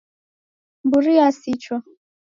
Mburi yasichwa